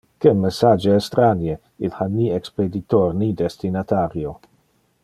Que message estranie! Il ha ni expeditor ni destinatario.